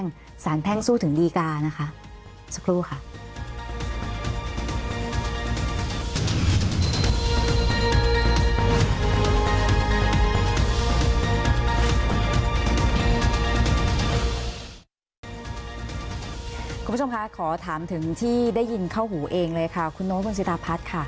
คุณผู้ชมคะขอถามถึงที่ได้ยินเข้าหูเองเลยค่ะคุณโน้ตบนสิตาพัฒน์ค่ะ